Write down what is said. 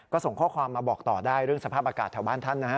ก็ส่งข้อความมาบอกต่อได้เรื่องสภาพอากาศแถวบ้านท่านนะฮะ